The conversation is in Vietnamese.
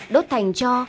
đốt thành cho